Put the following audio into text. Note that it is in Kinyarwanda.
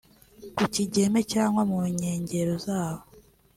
Ku Kigeme cyangwa mu nkengero zaho